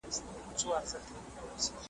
نه پوهیږو چي په کوم ځای کي خوږمن یو `